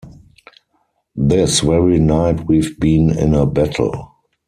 This very night we've been in a battle.